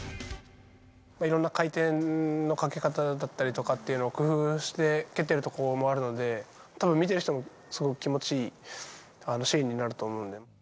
いろんな回転のかけ方だったりとかっていうのを工夫して蹴ってるところもあるので、たぶん見てる人も、すごく気持ちいいシーンになると思うんで。